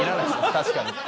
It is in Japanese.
確かに。